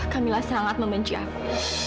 kamilah sangat membenci aku